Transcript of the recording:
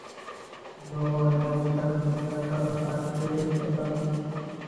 লো আর আমি তাহলে আবারো পার্টি করতে পারবো?